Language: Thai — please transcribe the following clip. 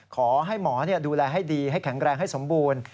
ขอให้หมอดูแลให้ดีให้แข็งแรงให้สมบูรณ์